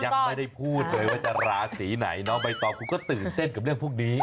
ยังไม่ได้พูดเลยว่าจะราศีไหนน้องใบตองคุณก็ตื่นเต้นกับเรื่องพวกนี้